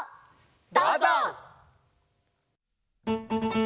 どうぞ！